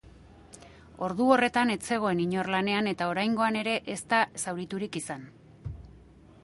Ordu horretan ez zegoen inor lanean eta oraingoan ere ez da zauriturik izan.